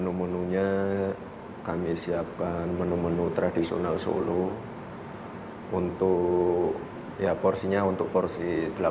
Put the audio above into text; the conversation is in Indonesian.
untuk menu menunya kami siapkan menu menu tradisional solo untuk ya porsinya untuk porsi delapan ribu tamu lah